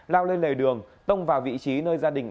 lao lên lề đường tông vào vị trí nơi gia đình